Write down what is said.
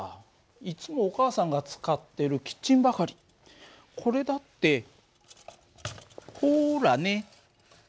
いつもお母さんが使ってるキッチンばかりこれだってほらね。